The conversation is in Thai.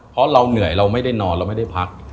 เพราะเราเหนื่อยเราไม่ได้นอนเราไม่ได้พัก